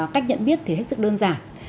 cách nhận biết thì hết sức đơn giản